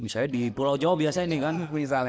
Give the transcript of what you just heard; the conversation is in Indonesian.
misalnya di pulau jawa biasanya nih kan